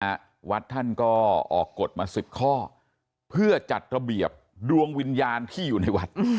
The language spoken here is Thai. วัดท่านก็ออกกฎมาสิบข้อเพื่อจัดระเบียบดวงวิญญาณที่อยู่ในวัด